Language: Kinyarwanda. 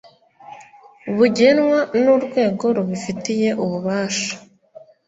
bugenwa nurwego rubifitiye ububasha